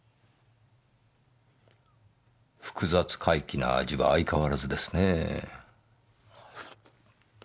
複雑怪奇な味は相変わらずですねぇ。